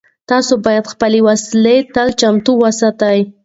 تاسو باید خپلې وسلې تل چمتو وساتئ.